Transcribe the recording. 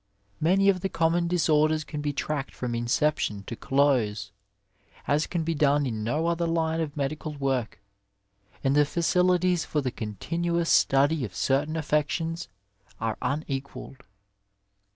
Many of the conmion disorders can be tracked from inception to close, as can be done in no other line of medical work, and the facilities for the continuous study of certain affections are un equalled.